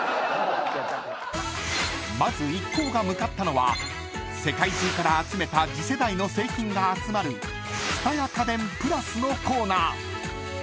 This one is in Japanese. ［まず一行が向かったのは世界中から集めた次世代の製品が集まる蔦屋家電＋のコーナー］